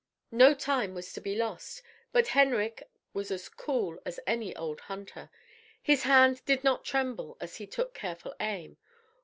No time was to be lost, but Henrik was as cool as any old hunter. His hand did not tremble as he took careful aim.